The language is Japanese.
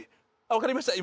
分かりました